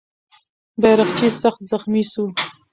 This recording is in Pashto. بیرغچی سخت زخمي سو.